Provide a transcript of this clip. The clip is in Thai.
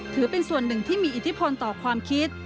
ถือเป็นส่วนหนึ่งที่มีอิทธิพลต่อความคิด